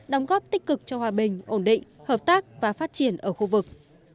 đóng góp tích cực cho hòa bình ổn định hợp tác và phát triển ở khu vực